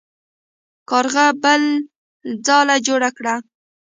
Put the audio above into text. کارغه بله ځاله جوړه کړه.